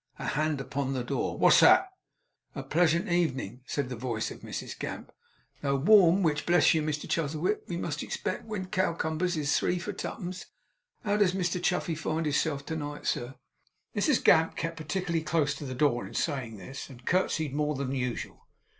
A hand upon the door. 'What's that!' 'A pleasant evenin',' said the voice of Mrs Gamp, 'though warm, which, bless you, Mr Chuzzlewit, we must expect when cowcumbers is three for twopence. How does Mr Chuffey find his self to night, sir?' Mrs Gamp kept particularly close to the door in saying this, and curtseyed more than usual.